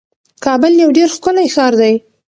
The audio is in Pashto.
کابل یو ډیر ښکلی ښار دی.